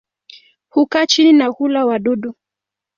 Hukaa chini na hula wadudu.